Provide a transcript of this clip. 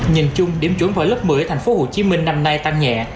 nhìn chung điểm chuẩn vào lớp một mươi ở thành phố hồ chí minh năm nay tăng nhẹ